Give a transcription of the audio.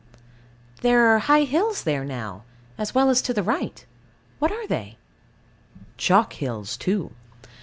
There are high hills there now, as well as to the right. What are they? Chalk hills too.